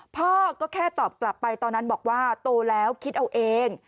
พ่อก็แค่ตอบกลับไปตอนนั้นบอกว่าโตแล้วคิดเอาเอง